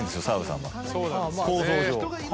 構造上。